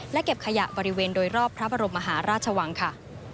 และเก็บขยะบริเวณโดยรอบพระบรมมหาราชวังค่ะ